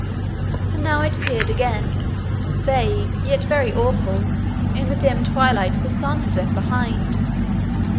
And now it appeared again, vague, yet very awful, in the dim twilight the sun had left behind.